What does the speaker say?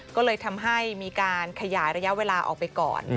ก็เลยทำให้มีการขยายระยะเวลาออกไปก่อน